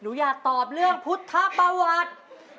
หนูอยากตอบเรื่องพุทธประวัติ